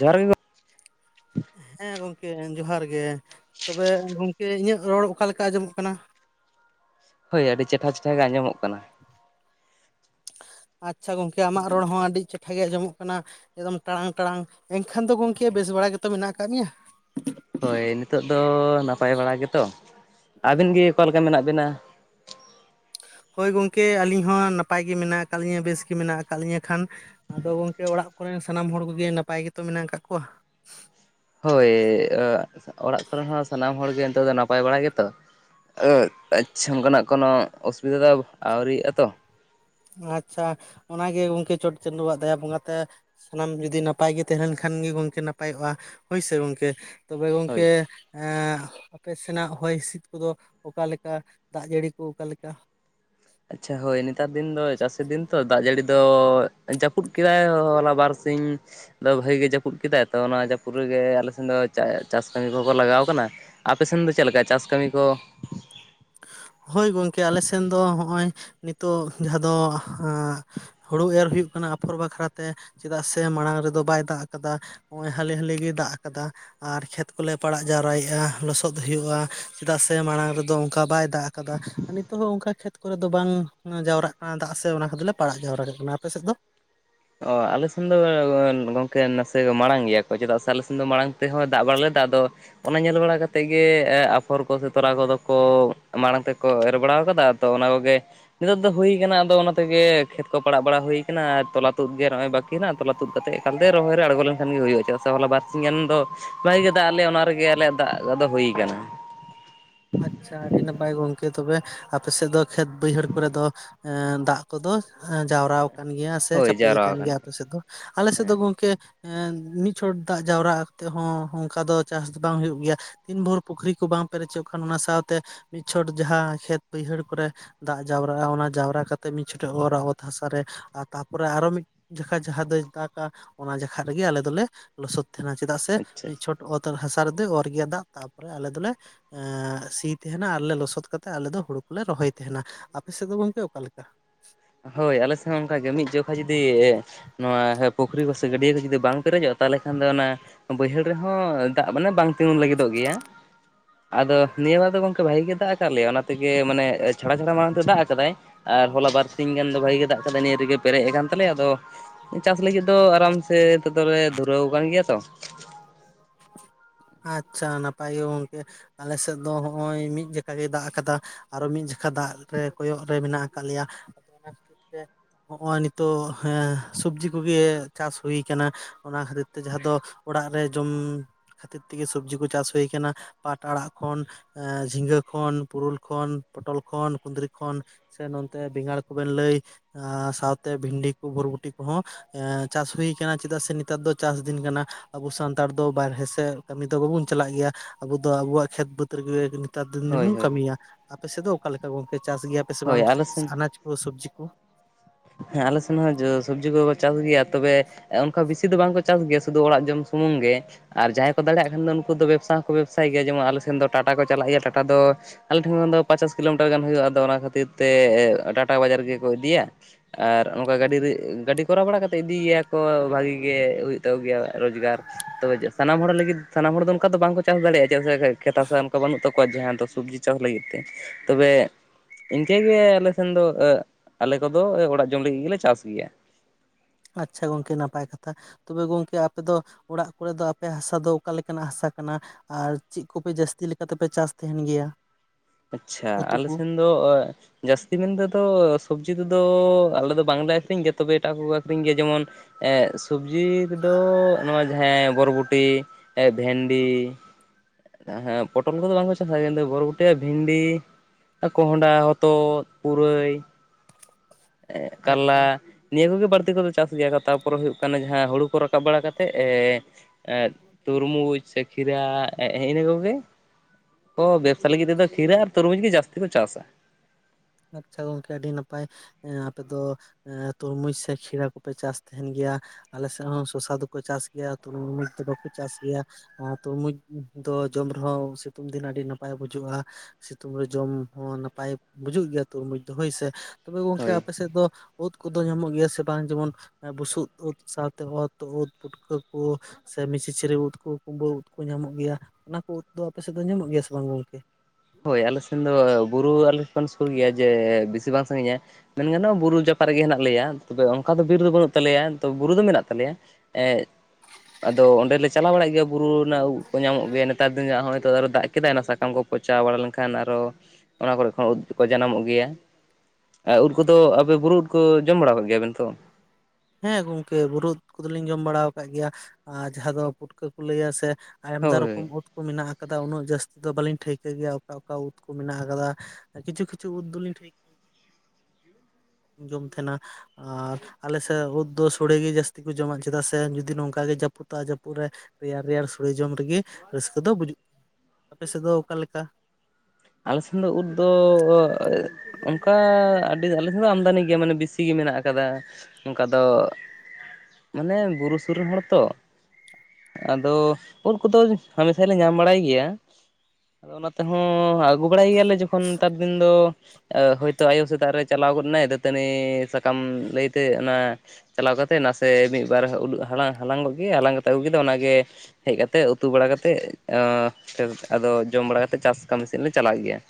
ᱡᱚᱦᱟᱨ ᱜᱮ ᱜ ᱦᱮᱸ ᱜᱚᱢᱠᱮ ᱡᱚᱦᱟᱨ ᱜᱮ ᱛᱚᱵᱮ ᱜᱚᱢᱠᱮ ᱤᱧᱟᱹᱜ ᱨᱚᱲ ᱚᱠᱟᱞᱮᱠᱟ ᱟᱸᱡᱚᱢᱚᱜ ᱠᱟᱱᱟ ᱦᱳᱭ ᱟᱹᱰᱤ ᱪᱮᱴᱦᱷᱟ ᱪᱮᱴᱴᱦᱟᱜ ᱜᱮ ᱟᱸᱡᱚᱢᱚᱜ ᱠᱟᱱᱟ ᱟᱪᱪᱷᱟ ᱜᱚᱝᱠᱮ ᱟᱢᱟᱜ ᱨᱚᱲ ᱦᱚᱸ ᱟᱹᱰᱤ ᱪᱮᱦᱚᱨᱟ ᱜᱮ ᱟᱸᱡᱚᱢᱚᱜ ᱠᱟᱱᱟ ᱮᱠᱫᱚᱢ ᱴᱟᱲᱟᱝ ᱴᱟᱲᱟᱝ ᱮᱱᱠᱷᱟᱱ ᱫᱚ ᱜᱚᱢᱠᱮ ᱵᱮᱥ ᱵᱟᱲᱟ ᱜᱮᱛᱚ ᱢᱮᱱᱟᱜ ᱟᱠᱟᱫ ᱢᱮᱭᱟ ᱦᱳᱭ ᱱᱤᱛᱚᱜ ᱫᱚ ᱱᱟᱯᱟᱭ ᱵᱟᱲᱟ ᱜᱮᱛᱚ ᱟᱵᱤᱱ ᱜᱮ ᱚᱠᱟᱞᱮᱠᱟ ᱢᱮᱱᱟᱜ ᱵᱤᱱᱟ ᱦᱳᱭ ᱜᱚᱢᱠᱮ ᱟᱹᱞᱤᱧ ᱦᱚᱸ ᱱᱟᱯᱟᱭ ᱜᱮ ᱢᱮᱱᱟᱜ ᱟᱠᱟᱫ ᱞᱤᱧᱟᱹ ᱵᱮᱥ ᱜᱮ ᱢᱮᱱᱟᱜ ᱟᱠᱟᱫ ᱞᱤᱧᱟᱹ ᱠᱷᱟᱱ ᱟᱫᱚ ᱜᱚᱝᱠᱮ ᱚᱲᱟᱜ ᱠᱚᱨᱮᱱ ᱥᱟᱱᱟᱢ ᱦᱚᱲ ᱠᱚᱜᱮ ᱱᱟᱯᱟᱭ ᱜᱮᱛᱚ ᱢᱮᱱᱟᱜ ᱟᱠᱟᱫ ᱠᱚᱣᱟ ᱦᱳᱭ ᱚᱲᱟᱜ ᱠᱚᱨᱮ ᱦᱚᱸ ᱥᱟᱱᱟᱢ ᱦᱚᱲᱜᱮ ᱱᱤᱛᱚᱜ ᱫᱚ ᱱᱟᱯᱟᱭ ᱵᱟᱲᱟ ᱜᱮᱛᱚ ᱟᱪᱪᱷᱟ ᱚᱱᱠᱟᱱᱟᱜ ᱠᱳᱱᱳ ᱚᱥᱩᱵᱤᱫᱟ ᱫᱚ ᱟᱹᱣᱨᱤᱜᱼᱟ ᱛᱚ ᱟᱪᱪᱷᱟ ᱚᱱᱟᱜᱮ ᱜᱚᱝᱠᱮ ᱪᱚᱴ ᱪᱟᱸᱫᱩᱣᱟᱜ ᱫᱟᱭᱟ ᱵᱚᱸᱜᱟᱛᱮ ᱥᱟᱱᱟᱢ ᱡᱩᱫᱤ ᱱᱟᱯᱟᱭ ᱜᱮ ᱛᱟᱦᱮᱸ ᱞᱮᱱ ᱠᱷᱟᱱ ᱜᱮ ᱜᱚᱝᱠᱮ ᱱᱟᱯᱟᱭᱚᱜᱼᱟ ᱦᱳᱭᱥᱮ ᱜᱚᱝᱠᱮ ᱛᱚᱵᱮ ᱦᱳᱭ ᱜᱚᱝᱠᱮ ᱟᱸ ᱟᱯᱮ ᱥᱮᱱᱟᱜ ᱦᱚᱭ ᱦᱤᱸᱥᱤᱫ ᱠᱚᱫᱚ ᱚᱠᱟᱞᱮᱠᱟ ᱫᱟᱜ ᱡᱟᱹᱲᱤ ᱠᱚ ᱚᱠᱟ ᱞᱮᱠᱟ ᱟᱪᱪᱷᱟ ᱦᱳᱭ ᱱᱮᱛᱟᱨ ᱫᱤᱱ ᱫᱚ ᱪᱟᱹᱥᱤ ᱫᱤᱱ ᱛᱚ ᱫᱟᱜ ᱡᱟᱹᱲᱤ ᱫᱚ ᱡᱟᱹᱯᱩᱫ ᱠᱮᱫᱟᱭ ᱦᱚᱞᱟ ᱵᱟᱨᱥᱤᱧ ᱫᱚ ᱵᱷᱟᱹᱜᱤ ᱜᱮ ᱡᱟᱹᱯᱩᱫ ᱠᱮᱫᱟᱭ ᱛᱚ ᱱᱚᱣᱟ ᱡᱟᱹᱯᱩᱫ ᱨᱮᱜᱮ ᱟᱞᱮ ᱥᱮᱱ ᱫᱚ ᱪᱟ ᱪᱟᱥ ᱠᱟᱹᱢᱤ ᱠᱚᱠᱚ ᱞᱟᱜᱟᱣ ᱠᱟᱱᱟ ᱟᱯᱮ ᱥᱮᱱ ᱫᱚ ᱪᱮᱫ ᱞᱮᱠᱟ ᱪᱟᱥ ᱠᱟᱹᱢᱤ ᱠᱚ ᱦᱳᱭ ᱜᱚᱝᱠᱮ ᱟᱞᱮ ᱥᱮᱱ ᱫᱚ ᱱᱚᱜᱼᱚᱭ ᱱᱤᱛᱚᱜ ᱡᱟᱦᱟᱸ ᱫᱚ ᱦᱳᱲᱩ ᱮᱨ ᱦᱩᱭᱩᱜ ᱠᱟᱱᱟ ᱟᱯᱷᱚᱨ ᱵᱟᱠᱷᱨᱟᱛᱮ ᱪᱮᱫᱟᱜ ᱥᱮ ᱢᱟᱲᱟᱝ ᱨᱮᱫᱚ ᱵᱟᱭ ᱫᱟᱜ ᱟᱠᱟᱫᱟ ᱱᱚᱜᱼᱚᱭ ᱦᱟᱞᱤ ᱦᱟᱞᱤ ᱜᱮ ᱫᱟᱜ ᱟᱠᱟᱫᱟ ᱟᱨ ᱠᱷᱮᱛ ᱠᱚᱞᱮ ᱯᱟᱲᱟᱜ ᱡᱟᱣᱨᱟᱭᱮᱜᱼᱟ ᱞᱚᱥᱚᱫ ᱦᱩᱭᱩᱜᱼᱟ ᱪᱮᱫᱟᱜ ᱥᱮ ᱢᱟᱲᱟᱝ ᱨᱮᱫᱚ ᱚᱱᱠᱟ ᱵᱟᱭ ᱫᱟᱜ ᱟᱠᱟᱫᱟ ᱟᱨ ᱱᱤᱛᱚᱜ ᱦᱚᱸ ᱚᱱᱠᱟ ᱠᱷᱮᱛ ᱠᱚᱨᱮ ᱫᱚ ᱵᱟᱝ ᱡᱟᱣᱨᱟᱜ ᱠᱟᱱᱟ ᱫᱟᱜ ᱥᱮ ᱚᱱᱟ ᱠᱚᱫᱚᱞᱮ ᱯᱟᱲᱟᱜ ᱡᱟᱣᱨᱟ ᱠᱟᱜ ᱠᱟᱱᱟ ᱟᱯᱮ ᱥᱮᱫ ᱫᱚ ᱚᱻ ᱟᱞᱮ ᱥᱮᱱ ᱫᱚ ᱜᱚᱝᱠᱮ ᱱᱟᱥᱮ ᱢᱟᱲᱟᱝ ᱜᱮᱭᱟ ᱠᱚ ᱪᱮᱫᱟᱜ ᱥᱮ ᱟᱞᱮ ᱥᱮᱱ ᱫᱚ ᱢᱟᱲᱟᱝ ᱛᱮᱦᱚᱸ ᱫᱟᱜ ᱵᱟᱲᱟ ᱞᱮᱫᱟ ᱟᱫᱚ ᱚᱱᱟ ᱧᱮᱞ ᱵᱟᱲᱟ ᱠᱟᱛᱮᱫ ᱜᱮ ᱟᱯᱷᱚᱨ ᱠᱚ ᱥᱮ ᱛᱚᱨᱟ ᱠᱚᱫᱚ ᱠᱚ ᱢᱟᱲᱟᱝ ᱛᱮᱠᱚ ᱮᱨ ᱵᱟᱲᱟᱣ ᱠᱟᱫᱟ ᱛᱚ ᱚᱱᱟ ᱠᱚᱜᱮ ᱱᱤᱛᱚᱜ ᱫᱚ ᱦᱩᱭ ᱠᱟᱱᱟ ᱟᱫᱚ ᱚᱱᱟ ᱛᱮᱜᱮ ᱠᱷᱮᱛ ᱠᱚ ᱯᱟᱲᱟᱜ ᱵᱟᱲᱟ ᱦᱩᱭᱩ ᱠᱟᱱᱟ ᱛᱚᱞᱟ ᱛᱩᱫ ᱜᱮ ᱱᱚᱜᱼᱚᱭ ᱵᱟᱠᱤ ᱦᱮᱱᱟᱜ ᱼᱟ ᱛᱚᱞᱟ ᱛᱩᱫ ᱠᱟᱛᱮ ᱮᱠᱟᱞ ᱛᱮ ᱨᱚᱦᱚᱭ ᱨᱮ ᱟᱬᱜᱚ ᱞᱮᱱ ᱠᱷᱟᱱ ᱜᱮ ᱦᱩᱭᱩᱜᱼᱟ ᱪᱟᱜ ᱥᱮ ᱦᱚᱞᱟ ᱵᱟᱨ ᱥᱤᱧ ᱜᱟᱱ ᱫᱚ ᱯᱨᱟᱭ ᱜᱮ ᱫᱟᱜ ᱞᱮᱜ ᱚᱱᱟ ᱨᱮᱜᱮ ᱟᱞᱮᱭᱟᱜ ᱫᱟᱜ ᱠᱚᱫᱚ ᱦᱩᱭ ᱠᱟᱱᱟ ᱟᱪᱪᱷᱟ ᱟᱹᱰᱤ ᱱᱟᱯᱟᱭ ᱜᱚᱝᱠᱮ ᱛᱚᱵᱮ ᱟᱯᱮ ᱥᱮᱫ ᱫᱚ ᱠᱷᱮᱛ ᱵᱟᱹᱭᱦᱟᱹᱲ ᱠᱚᱨᱮ ᱫᱚ ᱫᱟᱜ ᱠᱚᱫᱚ ᱡᱟᱣᱨᱟ ᱠᱟᱱ ᱜᱮᱭᱟ ᱥᱮ ᱦᱳᱭ ᱪᱟᱯᱮ ᱡᱟᱣᱨᱟ ᱠᱟᱱ ᱟᱠᱟᱱ ᱜᱮᱭᱟ ᱟᱯᱮ ᱥᱮᱫ ᱫᱚ ᱟᱞᱮ ᱥᱮᱫ ᱫᱚ ᱜᱚᱝᱠᱮ ᱢᱤᱫ ᱪᱷᱚᱴ ᱫᱟᱜ ᱡᱟᱣᱨᱟ ᱚᱠᱛᱮ ᱦᱚᱸ ᱚᱱᱠᱟ ᱫᱚ ᱪᱟᱥ ᱵᱟᱝ ᱦᱩᱭᱩᱜ ᱜᱮᱭᱟ ᱛᱤᱱ ᱵᱷᱳᱨ ᱯᱩᱠᱷᱨᱤ ᱠᱚ ᱵᱟᱝ ᱯᱮᱨᱮᱡᱚᱜ ᱠᱷᱟᱱ ᱚᱱᱟ ᱥᱟᱶᱛᱮ ᱢᱤᱫ ᱪᱷᱚᱴ ᱡᱟᱦᱟᱸ ᱠᱷᱮᱛ ᱵᱟᱹᱭᱦᱟᱹᱲ ᱠᱚᱨᱮ ᱫᱟᱜ ᱡᱟᱣᱨᱟᱜᱼᱟ ᱚᱱᱟ ᱡᱟᱣᱨᱟ ᱠᱟᱛᱮᱫ ᱢᱤᱫ ᱪᱷᱚᱴ ᱮ ᱚᱨᱟ ᱚᱛ ᱦᱟᱥᱟᱨᱮ ᱛᱟᱯᱚᱨᱮ ᱟᱨᱚ ᱢᱤᱫ ᱡᱟᱠᱟ ᱡᱟᱦᱟᱸ ᱫᱚᱭ ᱫᱟᱜᱟ ᱚᱱᱟ ᱡᱮᱠᱷᱟᱜ ᱨᱮᱜᱮ ᱟᱞᱮ ᱫᱚᱞᱮ ᱞᱚᱥᱚᱫ ᱛᱟᱦᱮᱸᱱᱟ ᱪᱮᱫᱟᱜ ᱥᱮ ᱟᱪᱪᱷᱟ ᱟᱪᱪᱷᱟ ᱢᱤᱫ ᱪᱷᱚᱴ ᱚᱛ ᱦᱟᱥᱟ ᱨᱮᱫᱚᱭ ᱚᱨ ᱜᱮᱭᱟ ᱫᱟᱜ ᱛᱟᱨᱯᱚᱨᱮ ᱟᱞᱮ ᱫᱚᱞᱮ ᱥᱤ ᱛᱟᱦᱮᱸᱱᱟ ᱟᱨ ᱞᱮ ᱞᱚᱥᱚᱫ ᱠᱟᱛᱮᱜ ᱟᱞᱮ ᱫᱚ ᱦᱩᱲᱩ ᱠᱚᱞᱮ ᱨᱚᱦᱚᱭ ᱛᱟᱦᱮ‍ᱸᱱᱟ ᱟᱯᱮ ᱥᱮᱫ ᱫᱚ ᱜᱚᱝᱠᱮ ᱚᱠᱟᱞᱮᱠᱟ ᱦᱳᱭ ᱟᱞᱮᱥᱮᱫ ᱦᱚᱸ ᱚᱱᱠᱟᱜ ᱜᱮ ᱢᱤᱫ ᱡᱚᱠᱷᱟ ᱡᱩᱫᱤ ᱮ ᱱᱚᱣᱟ ᱯᱩᱠᱷᱨᱤ ᱠᱚᱥᱮᱱ ᱥᱮ ᱜᱟ. ᱰᱭᱟᱹ ᱠᱚ ᱡᱩᱫᱤ ᱵᱟᱝ ᱯᱮᱨᱮᱡᱚᱜᱼᱟ ᱛᱟᱦᱚᱞᱮ ᱠᱷᱟᱱ ᱫᱚ ᱚᱱᱟ ᱵᱟᱹᱭᱦᱟᱹᱲ ᱨᱮᱦᱚᱸ ᱫᱟᱜ ᱢᱟᱱᱮ ᱵᱟᱝ ᱛᱤᱸᱜᱩᱱ ᱞᱟᱹᱜᱤᱫᱚᱜ ᱜᱮᱭᱟ ᱟᱫᱚ ᱱᱤᱭᱟᱹ ᱵᱟᱨ ᱫᱚ ᱜᱚᱝᱠᱮ ᱵᱷᱟᱹᱜᱤ ᱜᱮ ᱫᱟᱜ ᱟᱠᱟᱫ ᱞᱮᱭᱟ ᱚᱱᱟ ᱛᱮᱜᱮ ᱢᱟᱱᱮ ᱪᱷᱟᱲᱟ ᱪᱷᱟᱲᱟ ᱢᱟᱲᱟᱝ ᱛᱮ ᱫᱟᱜ ᱟᱠᱟᱫᱟᱭ ᱟᱨ ᱦᱚᱞᱟ ᱵᱟᱨ ᱥᱤᱧ ᱜᱟᱱ ᱫᱚ ᱵᱷᱟᱹᱜᱤ ᱜᱮ ᱫᱟᱜ ᱠᱟᱫᱟᱭ ᱱᱤᱭᱟᱹ ᱨᱮᱜᱮ ᱯᱮᱨᱮᱡ ᱟᱠᱟᱱ ᱛᱟᱞᱮᱭᱟ ᱟᱫᱚ ᱪᱟᱥ ᱞᱟᱹᱜᱤᱫ ᱫᱚ ᱟᱨᱟᱢ ᱥᱮ ᱱᱤᱛᱚᱜ ᱫᱚᱞᱮ ᱫᱷᱩᱨᱟᱹᱣ ᱠᱟᱱ ᱜᱮᱭᱟ ᱛᱚ [unintelligible] ᱟᱪᱪᱷᱟ ᱱᱟᱯᱟᱭ ᱜᱮ ᱜᱚᱝᱠᱮ ᱟᱞ ᱥᱮᱫ ᱫᱚ ᱱᱚᱜᱼᱚᱭ ᱢᱤᱫ ᱡᱮᱠᱷᱟ ᱜᱮᱭ ᱫᱟᱜ ᱟᱠᱟᱫᱟ ᱟᱨᱦᱚ ᱢᱤᱫ ᱡᱮᱠᱷᱟ ᱫᱟᱜ ᱨᱮ ᱠᱚᱭᱚᱜ ᱨᱮ ᱢᱮᱱᱟᱜ ᱟᱠᱟᱫ ᱞᱮᱭᱟ ᱟᱫᱚ ᱚᱱᱟ ᱠᱷᱟᱹᱛᱤᱨ ᱛᱮ ᱦᱚᱸᱜ-ᱚᱭ ᱱᱤᱛᱚᱜ ᱦᱮ ᱥᱚᱵᱽᱡᱤ ᱠᱚᱜᱮ ᱪᱟᱥ ᱦᱩᱭ ᱠᱟᱱᱟ ᱚᱱᱟ ᱠᱷᱟᱹᱛᱤᱨ ᱛᱮ ᱡᱟᱦᱟᱸ ᱫᱚ ᱚᱲᱟᱜ ᱨᱮ ᱡᱚᱢ ᱠᱷᱟᱹᱛᱤᱨ ᱛᱮᱜᱮ ᱥᱚᱵᱽᱡᱤ ᱠᱚ ᱪᱟᱥ ᱦᱩᱭ ᱠᱟᱱᱟ ᱯᱟᱴ ᱟᱲᱟᱜ ᱠᱷᱚᱱ ᱡᱷᱤᱸᱜᱟᱹ ᱠᱷᱚᱱ ᱯᱩᱨᱩᱞ ᱠᱷᱚᱱ ᱯᱚᱴᱚᱞ ᱠᱷᱚᱱ ᱠᱩᱸᱫᱽᱨᱤ ᱠᱷᱚᱱ ᱥᱮ ᱱᱚᱛᱮ ᱵᱮᱸᱜᱟᱲ ᱠᱚᱵᱮᱱ ᱞᱟᱹᱭ ᱥᱟᱶᱛᱮ ᱵᱷᱤᱱᱱᱰᱤ ᱠᱚ ᱵᱷᱚᱨ ᱵᱩᱴᱤ ᱠᱚᱦᱚᱸ ᱮ ᱪᱟᱥ ᱦᱩᱭᱩ ᱠᱟᱱᱟ ᱪᱮᱫᱟᱜ ᱥᱮ ᱱᱮᱛᱟᱨ ᱫᱚ ᱪᱟᱥ ᱫᱤᱱ ᱠᱟᱱᱟ ᱟᱵᱚ ᱥᱟᱱ ᱥᱟᱱᱛᱟᱲ ᱫᱚ ᱵᱟᱨᱦᱮ ᱥᱮᱫ ᱠᱟᱹᱢᱤ ᱫᱚ ᱵᱟᱵᱚᱱ ᱪᱟᱞᱟᱜ ᱜᱮᱭᱟ ᱟᱵᱚ ᱫᱚ ᱟᱵᱚᱣᱟᱜ ᱠᱷᱮᱛ ᱵᱟᱹᱛ ᱨᱮᱜᱮ ᱱᱮᱛᱟᱨ ᱫᱤᱱ ᱫᱚ ᱦᱳᱭ ᱵᱚᱱ ᱦᱳᱭ ᱠᱟᱹᱢᱤᱭᱟ ᱟᱯᱮᱥᱮᱫ ᱫᱚ ᱚᱠᱟ ᱞᱮᱠᱟ ᱜᱚᱝᱠᱮ ᱪᱟᱥ ᱜᱮᱭᱟ ᱯᱮ ᱥᱮ ᱦᱳᱭ ᱵᱟᱝ ᱟᱞᱮ ᱥᱮᱱ ᱟᱱᱟᱡ ᱠᱚ ᱥᱚᱵᱽᱡᱤ ᱠᱚ ᱦᱮᱸ ᱟᱞᱮ ᱥᱮᱱ ᱦᱚᱸ ᱥᱚᱵᱽᱡᱤ ᱠᱚᱠᱚ ᱪᱟᱥ ᱜᱮᱭᱟ ᱛᱚᱵᱮ ᱚᱱᱠᱟ ᱵᱮᱥᱤ ᱫᱚ ᱵᱟᱝᱠᱚ ᱪᱟᱥ ᱜᱮᱭᱟ ᱥᱩᱫᱩ ᱚᱲᱟᱜ ᱡᱚᱢ ᱥᱩᱢᱩᱝ ᱜᱮ ᱟᱨ ᱡᱟᱦᱟᱸᱭ ᱠᱚ ᱫᱟᱲᱮᱭᱟᱜ ᱠᱷᱟᱱ ᱫᱚ ᱩᱱᱠᱩ ᱫᱚ ᱵᱮᱵᱽᱥᱟ ᱦᱚᱸᱠᱚ ᱵᱮᱵᱽᱥᱟᱭ ᱜᱮᱭᱟ ᱡᱮᱢᱚᱱ ᱟᱞᱮ ᱥᱮᱱ ᱫᱚ ᱴᱟᱴᱟ ᱠᱚ ᱪᱟᱞᱟᱜ ᱜᱮᱭᱟ ᱴᱟᱴᱟ ᱫᱚ ᱟᱞᱮ ᱴᱷᱮᱱ ᱠᱷᱚᱱ ᱫᱚ ᱯᱟᱪᱟᱥ ᱠᱤᱞᱳᱢᱤᱴᱟᱨ ᱜᱟᱱ ᱦᱩᱭᱩᱜᱼᱟ ᱟᱫᱚ ᱚᱱᱟ ᱠᱷᱟᱹᱛᱤᱨ ᱛᱮ ᱴᱟᱴᱟ ᱵᱟᱡᱟᱨ ᱜᱮᱠᱚ ᱤᱫᱤᱭᱟ ᱟᱨ ᱚᱱᱠᱟ ᱜᱟᱹᱰᱤ ᱨᱮ ᱜᱟᱹᱰᱤ ᱠᱚᱨᱟᱣ ᱵᱟᱲᱟ ᱠᱟᱛᱮᱫ ᱤᱫᱤᱭ ᱜᱮᱭᱟ ᱠᱚ ᱵᱷᱟᱹᱜᱤ ᱜᱮ ᱦᱩᱭᱩᱜ ᱛᱟᱠᱚ ᱜᱮᱭᱟ ᱨᱳᱡᱽᱜᱟᱨ ᱛᱚᱵᱮ ᱥᱟᱱᱟᱢ ᱦᱚᱲ ᱞᱟᱹᱜᱤᱫ ᱥᱟᱱᱟᱢ ᱦᱚᱲ ᱫᱚ ᱚᱱᱠᱟ ᱫᱚ ᱵᱟᱝᱠᱚ ᱪᱟᱥ ᱫᱟᱲᱮᱭᱟᱜᱼᱟ ᱪᱮᱫᱟᱜ ᱥᱮ ᱠᱷᱮᱛ ᱦᱟᱥᱟ ᱚᱱᱠᱟ ᱵᱟᱹᱱᱩᱜ ᱛᱟᱠᱚᱣᱟ ᱡᱟᱦᱟᱸ ᱫᱚ ᱥᱚᱵᱽᱡᱤ ᱪᱟᱥ ᱞᱟᱹᱜᱤᱫ ᱛᱮ ᱛᱚᱵᱮ ᱤᱱᱠᱟᱹᱜᱮ ᱟᱞᱮ ᱥᱮᱱ ᱫᱚ ᱟᱞᱮ ᱠᱚ ᱫᱚ ᱚᱲᱟᱜ ᱡᱚᱢ ᱞᱟᱹᱜᱤᱫ ᱜᱮᱞᱮ ᱪᱟᱥ ᱜᱮᱭᱟ ᱟᱪᱪᱷᱟ ᱜᱚᱝᱠᱮ ᱱᱟᱯᱟᱭ ᱠᱟᱛᱷᱟ ᱛᱚᱵᱮ ᱜᱚᱝᱠᱮ ᱟᱯᱮ ᱫᱚ ᱚᱲᱟᱜ ᱠᱚᱨᱮ ᱫᱚ ᱟᱯᱮᱭᱟᱜ ᱦᱟᱥᱟ ᱫᱚ ᱚᱠᱟ ᱞᱮᱠᱟᱱᱟᱜ ᱦᱟᱥᱟ ᱠᱟᱱᱟ ᱟᱨ ᱪᱮᱫ ᱠᱚᱯᱮ ᱡᱟᱹᱥᱛᱤ ᱞᱮᱠᱟ ᱛᱮ ᱯᱮ ᱪᱟᱥ ᱛᱟᱦᱮᱱ ᱜᱮᱭᱟ ᱟᱪᱪᱷᱟ ᱩᱛᱩ ᱟᱞᱮ ᱠᱚ ᱥᱮᱱ ᱫᱚ ᱡᱟᱹᱥᱛᱤ ᱢᱮᱱ ᱛᱮᱫᱚ ᱥᱚᱵᱽᱡᱤ ᱛᱮᱫᱚ ᱟᱞᱮ ᱫᱚ ᱵᱟᱝᱞᱮ ᱟᱠᱷᱨᱤᱧ ᱜᱮᱭᱟ ᱛᱚᱵᱮ ᱮᱴᱟᱜ ᱠᱚᱠᱚ ᱟᱹᱷᱨᱤᱧ ᱜᱮᱭᱟ ᱡᱮᱢᱚᱱ ᱥᱚᱵᱽᱡᱤ ᱨᱮᱫᱚ ᱱᱚᱣᱟ ᱡᱟᱦᱟᱸᱭ ᱵᱚᱨᱵᱚᱴᱤ ᱵᱷᱮᱱᱰᱤ ᱦᱮᱸ ᱯᱚᱴᱚᱞ ᱠᱚᱫᱚ ᱵᱟᱝᱠᱚ ᱪᱟᱥᱟ ᱠᱤᱱᱛᱩ ᱵᱚᱨᱵᱚᱴᱤ ᱟᱨ ᱵᱷᱤᱱᱰᱤ ᱠᱚᱦᱰᱟ ᱦᱚᱛᱚᱫ ᱯᱩᱨᱟᱹᱭ ᱟᱪᱪᱷᱟ ᱠᱟᱞᱞᱟ ᱱᱤᱭᱟᱹ ᱠᱚᱜᱮ ᱵᱟᱹᱲᱛᱤ ᱠᱚᱫᱚ ᱪᱟᱥ ᱜᱮᱭᱟ ᱛᱟᱯᱚᱨᱮ ᱦᱩᱭᱩᱜ ᱠᱟᱱᱟ ᱡᱟᱦᱟᱸ ᱦᱩᱲᱩ ᱠᱚ ᱨᱟᱠᱟᱵ ᱵᱟᱲᱟ ᱠᱟᱛᱮᱫ ᱮ ᱛᱩᱨᱢᱩᱡᱽ ᱥᱮ ᱠᱷᱤᱨᱟ ᱦᱮ ᱤᱱᱟᱹ ᱠᱚᱜᱮ ᱚ ᱵᱮᱵᱽᱥᱟ ᱞᱟᱹᱜᱤᱫ ᱛᱮᱫ ᱠᱷᱤᱨᱟ ᱟᱨ ᱛᱚᱨᱩᱡ ᱜᱮ ᱡᱟᱹᱥᱛᱤ ᱠᱚ ᱪᱟᱥᱟ ᱟᱪᱪᱷᱟ ᱜᱚᱝᱠᱮ ᱟᱹᱰᱤ ᱱᱟᱯᱟᱭ ᱮᱸ ᱟᱯᱮ ᱫᱚ ᱮ ᱛᱩᱨᱢᱩᱡᱽ ᱥᱮ ᱠᱷᱤᱨᱟ ᱠᱚᱯᱮ ᱪᱟᱥ ᱛᱟᱦᱮᱱ ᱜᱮᱭᱟ ᱟᱞᱮ ᱥᱮᱫ ᱦᱚᱸ ᱥᱚᱥᱟ ᱫᱚᱠᱚ ᱪᱟᱥ ᱜᱮᱭᱟ ᱛᱩᱞᱢᱩᱡ ᱫᱚ ᱵᱟᱠᱚ ᱪᱟᱥ ᱜᱮᱭᱟ ᱟᱨ ᱛᱩᱨᱢᱩᱡ ᱫᱚ ᱡᱚᱢ ᱨᱮᱦᱚᱸ ᱥᱤᱛᱩᱝ ᱫᱤᱱ ᱟᱹᱰᱤ ᱱᱟᱯᱟᱭ ᱵᱩᱡᱩᱜᱼᱟ ᱥᱤᱛᱩᱝ ᱨᱮ ᱡᱚᱢ ᱦᱚᱸ ᱱᱟᱯᱟᱭ ᱵᱩᱡᱩᱜ ᱜᱮᱭᱟ ᱛᱩᱨᱢᱩᱡᱽ ᱫᱚ ᱦᱳᱭᱥᱮ ᱛᱚᱵᱮ ᱜᱚᱝᱠᱮ ᱦᱳᱭ ᱟᱯᱮ ᱥᱮᱫ ᱫᱚ ᱩᱫ ᱠᱚᱫᱚ ᱧᱟᱢᱚᱜ ᱜᱮᱭᱟ ᱥᱮ ᱵᱟᱝ ᱡᱮᱢᱚᱱ ᱵᱩᱥᱩᱵ ᱩᱫ ᱥᱟᱶᱛᱮ ᱚᱛ ᱩᱫ ᱯᱩᱴᱠᱟᱹ ᱠᱚ ᱥᱮ ᱢᱤᱥᱤᱪᱨᱤ ᱩᱫ ᱠᱚ ᱠᱩᱢᱵᱟᱹ ᱩᱫ ᱠᱚ ᱧᱟᱢᱚᱜ ᱜᱮᱭᱟ ᱚᱱᱟ ᱠᱚ ᱩᱫ ᱫᱚ ᱟᱯᱮ ᱥᱮᱫ ᱫᱚ ᱧᱟᱢᱚᱜ ᱜᱮᱭᱟ ᱥᱮ ᱵᱟᱝ ᱜᱚᱝᱠᱮ ᱦᱳᱭ ᱟᱞᱮ ᱥᱮᱱ ᱫᱚ ᱵᱩᱨᱩ ᱟᱞᱮ ᱠᱷᱚᱱ ᱥᱩᱨ ᱜᱮᱭᱟ ᱡᱮ ᱵᱮᱥᱤ ᱵᱟᱝ ᱥᱟᱺᱜᱤᱧᱟ ᱢᱮᱱ ᱜᱟᱱᱚᱜᱼᱟ ᱵᱩᱨᱩ ᱡᱟᱯᱟᱜ ᱨᱮᱜᱮ ᱦᱮᱱᱟᱜ ᱞᱮᱭᱟ ᱛᱚᱵᱮ ᱚᱱᱠᱟ ᱫᱚ ᱵᱤᱨ ᱫᱚ ᱵᱟᱹᱱᱩᱜ ᱛᱟᱞᱮᱭᱟ ᱛᱚ ᱵᱩᱨᱩ ᱫᱚ ᱢᱮᱱᱟᱜ ᱛᱟᱞᱮᱭᱟ ᱟᱫᱚ ᱚᱸᱰᱮᱞᱮ ᱪᱟᱞᱟᱣ ᱵᱟᱲᱟᱜ ᱜᱮᱭᱟ ᱵᱩᱨᱩ ᱨᱮᱱᱟᱜ ᱩᱫ ᱠᱚ ᱧᱟᱢᱚᱜ ᱜᱮᱭᱟ ᱱᱮᱛᱟᱨ ᱫᱤᱱ ᱦᱚᱸ ᱱᱤᱛᱚᱜ ᱟᱨᱚ ᱫᱟᱜ ᱠᱮᱫᱟᱭ ᱚᱱᱟ ᱥᱟᱠᱟᱢ ᱠᱚ ᱯᱚᱪᱟ ᱵᱟᱲᱟ ᱞᱮᱱᱠᱷᱟᱱ ᱟᱨᱚ ᱚᱱᱟ ᱠᱚᱨᱮ ᱠᱷᱚᱱ ᱩᱫ ᱠᱚ ᱡᱟᱱᱟᱢᱚᱜ ᱜᱮᱭᱟ ᱟᱨ ᱩᱫ ᱠᱚᱫᱚ ᱟᱯᱮ ᱵᱩᱨᱩ ᱩᱫ ᱠᱚ ᱡᱚᱢ ᱵᱟᱲᱟ ᱟᱠᱟᱫ ᱜᱮᱭᱟ ᱵᱮᱱ ᱛᱚ ᱦᱮᱸ ᱜᱚᱝᱠᱮ ᱵᱩᱨᱩ ᱩᱫ ᱠᱚᱫᱚᱞᱤᱧ ᱡᱚᱢ ᱵᱟᱲᱟ ᱟᱠᱟᱫ ᱜᱮᱭᱟ ᱟᱨ ᱡᱟᱦᱟᱸ ᱫᱚ ᱯᱩᱴᱠᱟᱹ ᱠᱚ ᱞᱟᱹᱭᱟ ᱥᱮ ᱟᱢᱟᱫᱟ ᱨᱚᱠᱚᱢ ᱦᱳᱭ ᱩᱫ ᱠᱚ ᱢᱮᱱᱟᱜ ᱟᱠᱟᱫᱟ ᱩᱱᱟᱹᱜ ᱡᱟᱹᱥᱛᱤ ᱫᱚ ᱵᱟᱹᱞᱤᱧ ᱴᱷᱟᱹᱭᱠᱟᱹ ᱜᱮᱭᱟ ᱚᱠᱟ ᱚᱠᱟ ᱩᱫ ᱠᱚ ᱢᱮᱱᱟᱜ ᱟᱠᱟᱫᱟ ᱟᱨ ᱠᱤᱪᱷᱩ ᱠᱤᱪᱷᱩ ᱩᱫ ᱫᱚᱞᱤᱧ ᱴᱷᱤ ᱡᱚᱢ ᱛᱟᱦᱮᱱᱟ ᱟᱨ ᱟᱞᱮ ᱥᱮᱫ ᱥᱮ ᱩᱫᱽ ᱫᱚ ᱥᱚᱲᱮᱜᱮ ᱡᱟᱹᱥᱛᱤ ᱠᱚ ᱡᱚᱢᱟ ᱪᱮᱫᱟᱜ ᱥᱮ ᱡᱩᱫᱤ ᱱᱚᱝᱠᱟ ᱜᱮ ᱡᱟᱹᱯᱩᱫ ᱫᱟ ᱡᱟᱹᱯᱩᱫ ᱨᱮ ᱨᱮᱭᱟᱲ ᱨᱮᱭᱟᱲ ᱥᱳᱲᱮ ᱡᱚᱢ ᱨᱮᱜᱮ ᱨᱟᱹᱥᱠᱟᱹ ᱫᱚ ᱵᱩᱡᱩᱜ ᱛᱟᱦᱮᱸ ᱟᱯᱮ ᱥᱮᱫ ᱫᱚ ᱚᱠᱟ ᱞᱮᱠᱟ ᱟᱞᱮ ᱥᱮᱫ ᱫᱚ ᱩᱫ ᱫᱚ ᱚᱱᱠᱟ ᱟᱹᱰᱤ ᱟᱞᱮ ᱥᱮᱫ ᱫᱚ ᱟᱢᱫᱟᱱᱤ ᱜᱮᱭᱟ ᱢᱟᱱᱮ ᱵᱮᱥᱤ ᱜᱮ ᱢᱮᱱᱟᱜ ᱠᱟᱫᱟ ᱚᱱᱠᱟ ᱫᱚ ᱢᱟᱱᱮ ᱵᱩᱨᱩ ᱥᱩᱨ ᱨᱮᱱ ᱦᱚᱲ ᱛᱚ ᱟᱫᱚ ᱩᱫ ᱠᱚᱫᱚ ᱦᱟᱢᱮᱥᱟ ᱞᱮ ᱧᱟᱢ ᱵᱟᱲᱟᱭ ᱜᱮᱭᱟ ᱟᱫᱚ ᱚᱱᱟ ᱛᱮᱦᱚᱸ ᱟᱹᱜᱩ ᱵᱟᱲᱟᱭ ᱜᱮᱭᱟᱞᱮ ᱡᱚᱠᱷᱚᱱ ᱱᱮᱛᱟᱨ ᱫᱤᱱ ᱫᱚ ᱦᱳᱭ ᱛᱳ ᱟᱭᱩ ᱥᱮᱛᱟᱜ ᱨᱮ ᱪᱟᱞᱟᱣ ᱜᱚᱫᱱᱟᱭ ᱫᱟᱹᱛᱟᱹᱱᱤ ᱥᱟᱠᱟᱢ ᱞᱟᱹᱭ ᱛᱮ ᱚᱱᱟ ᱪᱟᱞᱟᱣ ᱠᱟ ᱠᱟᱛᱮᱫ ᱱᱟᱥᱮ ᱢᱤᱫ ᱵᱟᱨ ᱩᱰᱩᱜ ᱦᱟᱞᱟᱝ ᱦᱟᱞᱟᱝ ᱜᱚᱜ ᱜᱮ ᱦᱟᱞᱟᱝ ᱠᱟᱛᱮ ᱟᱹᱜᱩ ᱠᱮᱫᱟ ᱚᱱᱟᱜᱮ ᱦᱮᱡ ᱠᱟᱛᱮ ᱩᱛᱩ ᱵᱟᱲᱟ ᱠᱟᱛᱮ ᱟᱫᱚ ᱡᱚᱢ ᱵᱟᱲᱟ ᱠᱟᱛᱮᱫ ᱪᱟᱥ ᱠᱟᱢᱤ ᱥᱮᱱ ᱞᱮ ᱪᱟᱞᱟᱜ ᱜᱮᱭᱟ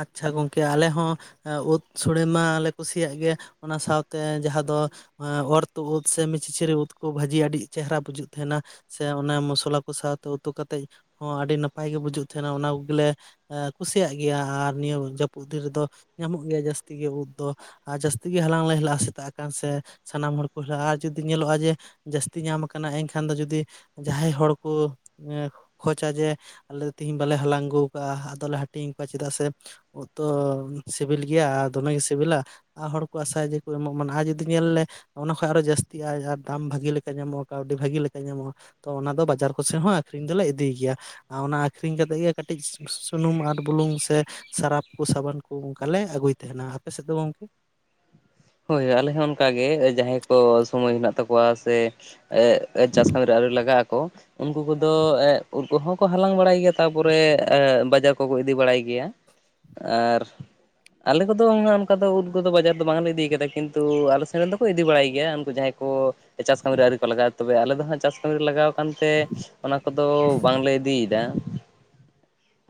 ᱟᱪᱪᱷᱟ ᱜᱚᱝᱠᱮ ᱟᱞᱮ ᱦᱚᱸ ᱩᱫ ᱥᱳᱲᱮ ᱢᱟᱞᱮ ᱠᱩᱥᱤᱭᱟᱜ ᱜᱮ ᱚᱱᱟ ᱥᱟᱶᱛᱮ ᱡᱟᱦᱟᱸ ᱫᱚ ᱚᱨ ᱛᱩᱜ ᱩᱫ ᱥᱮ ᱢᱤᱪᱤᱪᱨᱤ ᱩᱫ ᱠᱚ ᱵᱷᱟᱹᱡᱤ ᱟᱹᱰᱤ ᱪᱮᱦᱨᱟ ᱵᱩᱡᱩᱜ ᱛᱟᱦᱮᱱᱟ ᱥᱮ ᱚᱱᱮ ᱢᱚᱥᱞᱟ ᱠᱚ ᱥᱟᱶᱛᱮ ᱩᱛᱩ ᱠᱟᱛᱮᱫ, ᱦᱚᱸ ᱟᱹᱰᱤ ᱱᱟᱯᱟᱭ ᱜᱮ ᱵᱩᱡᱩᱜ ᱛᱟᱦᱮᱱᱟ ᱚᱱᱟ ᱩᱫᱜᱮᱞᱮ ᱠᱩᱥᱤ ᱠᱩᱥᱤᱭᱟᱜ ᱜᱮᱭᱟ ᱟᱨ ᱱᱤᱭᱟᱹ ᱡᱟᱹᱯᱩᱫ ᱫᱤᱱ ᱨᱮᱫᱚ ᱧᱟᱢᱚᱜ ᱜᱮᱭᱟ ᱡᱟᱹᱥᱛᱤ ᱜᱮ ᱩᱫ ᱫᱚ᱾ ᱟᱨ ᱡᱟᱹᱥᱛᱤ ᱜᱮ ᱦᱟᱞᱟᱝ ᱞᱮ ᱦᱮᱞᱟᱜᱼᱟ ᱥᱮᱛᱟᱜ ᱟᱠᱟᱱ ᱥᱮ ᱥᱟᱱᱟᱢ ᱦᱚᱲ ᱠᱚ ᱨᱟᱦᱟ ᱡᱩᱫᱤ ᱧᱮᱞᱚᱜᱼᱟ ᱡᱮ ᱡᱟᱹᱥᱛᱤ ᱧᱟᱢ ᱟᱠᱟᱱᱟ ᱮᱱᱠᱷᱟᱱ ᱫᱚ ᱡᱩᱫᱤ ᱡᱟᱦᱟᱸᱭ ᱦᱚᱲ ᱠᱚ ᱠᱷᱚᱪᱟ ᱡᱮ ᱟᱞᱮ ᱫᱚ ᱛᱮᱤᱦᱤᱧ ᱵᱟᱞᱮ ᱦᱟᱞᱟᱝ ᱟᱹᱜᱩ ᱟᱠᱟᱟᱜᱼᱟ ᱟᱫᱚᱞᱮ ᱦᱟᱹᱴᱤᱧ ᱠᱚᱣᱟ ᱪᱮᱫᱟᱜ ᱥᱮ ᱩᱛᱩ ᱛᱚ ᱥᱤᱵᱤᱞ ᱜᱮᱭᱟ ᱟᱨ ᱫᱚᱢᱮ ᱜᱮ ᱥᱤᱵᱤᱞᱟ ᱟᱨ ᱦᱚᱲ ᱠᱚ ᱟᱥᱟ ᱡᱮ ᱠᱚ ᱮᱢᱚᱜ ᱢᱟ ᱟᱨ ᱡᱩᱫᱤ ᱧᱮᱞ ᱞᱮ ᱚᱱᱟ ᱠᱷᱚᱡ ᱟᱨᱚ ᱡᱟᱹᱥᱛᱤᱜᱼᱟ ᱟᱨ ᱫᱟᱢ ᱵᱷᱟᱹᱜᱤ ᱞᱮᱠᱟ ᱧᱟᱢᱚᱜᱼᱟ ᱠᱟᱹᱣᱰᱤ ᱵᱷᱟᱹᱜᱤ ᱞᱮᱠᱟ ᱧᱟᱢᱚᱜᱼᱟ᱾ ᱛᱚ ᱚᱱᱟ ᱫᱚ ᱵᱟᱡᱟᱨ ᱠᱚᱥᱮ ᱦᱚᱸ ᱟᱠᱷᱨᱤᱧ ᱫᱚᱞᱮ ᱤᱫᱤᱭ ᱜᱮᱭᱟ, ᱚᱱᱟ ᱟᱠᱷᱨᱤᱧ ᱠᱟᱛᱮᱜ ᱜᱮ ᱠᱟᱹᱴᱤᱡ ᱥᱩᱱᱩᱢ ᱟᱨ ᱵᱩᱞᱩᱝ ᱥᱮ ᱥᱟᱨᱟᱯᱷ ᱠᱩ ᱥᱟᱵᱟᱱ ᱠᱩ ᱚᱱᱠᱟ ᱞᱮ ᱟᱹᱜᱩᱭ ᱛᱟᱦᱮᱱᱟ᱾ ᱟᱯᱮ ᱥᱮᱫ ᱫᱚ ᱜᱚᱝᱠᱮ? ᱦᱚᱭ ᱟᱞᱮ ᱦᱚᱸ ᱚᱱᱠᱟᱜ ᱜᱮ ᱡᱟᱦᱟᱭ ᱠᱚ ᱥᱚᱢᱚᱭ ᱦᱮᱱᱟᱜ ᱛᱟᱠᱚᱣᱟ ᱥᱮ ᱪᱟᱥ ᱠᱟᱹᱢᱤ ᱨᱮ ᱟᱹᱣᱨᱤ ᱞᱟᱜᱟᱜ ᱟᱠᱚ᱾ ᱩᱱᱠᱩ ᱠᱚᱫᱚ ᱩᱱᱠᱩ ᱦᱚᱸ ᱠᱚ ᱦᱟᱞᱟᱝ ᱵᱟᱲᱟᱭ ᱜᱮᱭᱟ ᱛᱟᱯᱚᱨᱮ ᱵᱟᱡᱟᱨ ᱠᱚᱠᱚ ᱤᱫᱤ ᱵᱟᱲᱟᱭ ᱜᱮᱭᱟ᱾ ᱟᱨ ᱟᱞᱮ ᱠᱚᱫᱚ ᱩᱱᱟ. ᱜ ᱚᱱᱠᱟ ᱫᱚ ᱩᱫ ᱠᱚᱫᱚ ᱵᱟᱡᱟᱨ ᱫᱚ ᱵᱟᱝᱞᱮ ᱤᱫᱤ ᱠᱟᱜ᱾ ᱠᱤᱱᱛᱩ ᱟᱞᱮ ᱥᱮᱱ ᱨᱮ ᱫᱚ ᱠᱚ ᱤᱫᱤ ᱵᱟᱲᱟᱭ ᱜᱮᱭᱟ ᱩᱱᱠᱩ ᱡᱟᱦᱟᱸᱭ ᱠᱚ ᱪᱟᱥ ᱠᱟᱹᱢᱤ ᱨᱮ ᱟᱹᱣᱨᱤ ᱠᱚ ᱞᱟᱜᱟᱼᱟ ᱛᱚᱵᱮ ᱟᱞᱮ ᱫᱚ ᱦᱟᱜ ᱪᱟᱥ ᱠᱟᱹᱢᱤ ᱨᱮ ᱞᱟᱜᱟᱣ ᱠᱟᱱᱛᱮ ᱚᱱᱟ ᱠᱚᱫᱚ ᱵᱟᱝᱞᱮ ᱤᱫᱤᱭᱮᱫᱟ